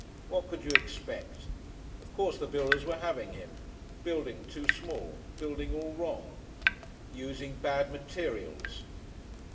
What could you expect? Of course the builders were having him, building too small, building all wrong, using bad materials!